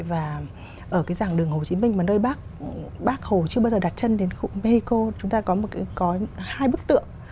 và ở cái dạng đường hồ chí minh mà nơi bắc bắc hồ chưa bao giờ đặt chân đến khu mexico chúng ta có một cái có hai bức tượng